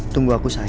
tunggu aku sayang